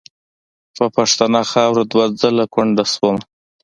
په پښتنه خاوره دوه ځله کونډه شومه .